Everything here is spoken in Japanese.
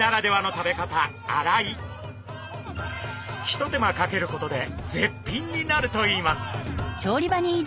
ひと手間かけることで絶品になるといいます！